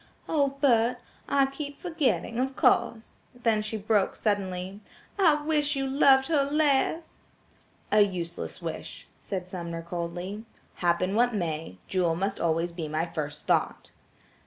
"Oh! Bert, I keep forgetting–of course–," then she broke suddenly, "I wish you loved her less!" "A useless wish," said Sumner coldly. "Happen what may, Jewel must always be my first thought."